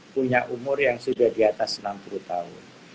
punya umur yang sudah di atas enam puluh tahun